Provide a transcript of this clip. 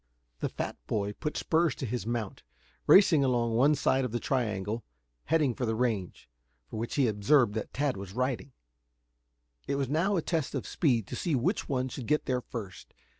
The fat boy put spurs to his mount, racing along one side of the triangle, heading for the range, for which he observed that Tad was riding. It was now a test of speed to see which one should get there first.